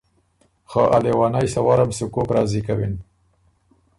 خه ا لېونئ سوَرم سُو کوک راضی کَوِن؟